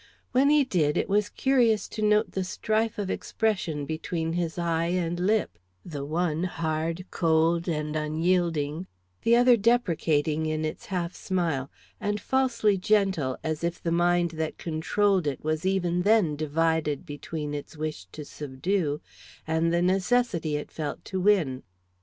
When he did, it was curious to note the strife of expression between his eye and lip: the one hard, cold, and unyielding; the other deprecating in its half smile and falsely gentle, as if the mind that controlled it was even then divided between its wish to subdue and the necessity it felt to win.